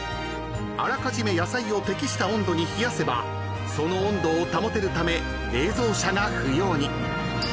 ［あらかじめ野菜を適した温度に冷やせばその温度を保てるため冷蔵車が不要に］